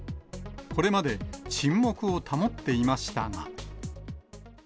これまで沈黙を保っていましたが。